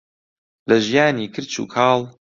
لە ژیانی کرچ و کاڵ.